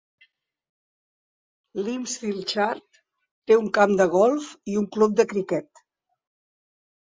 Limpsfield Chart té un camp de golf i un club de criquet.